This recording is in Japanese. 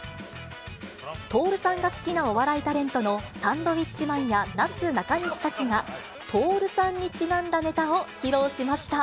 徹さんが好きなお笑いタレントのサンドウィッチマンやなすなかにしたちが、徹さんにちなんだネタを披露しました。